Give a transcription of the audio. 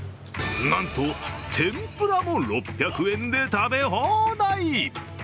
なんと天ぷらも６００円で食べ放題！